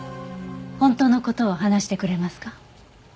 本当の事を話してくれますか？